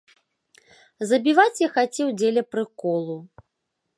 Забіваць я хацеў дзеля прыколу.